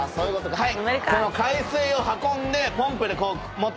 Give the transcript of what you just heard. はい！